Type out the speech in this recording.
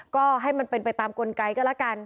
ก็ให้มันเป็นไปตามกลไกก็แล้วกัน